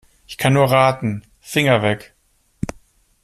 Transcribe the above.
Ich kann nur raten: Finger weg!